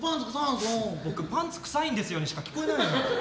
僕、パンツ臭いんですよにしか聞こえない。